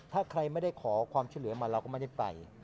ถ้าใครไม่ได้ขอความช่วยเหลือมาเราก็ไม่ได้ไป